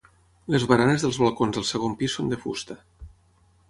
Les baranes dels balcons del segon pis són de fusta.